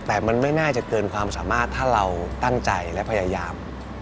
แต่มันไม่น่าจะเกินความสามารถถ้าเราตั้งใจและพยายาม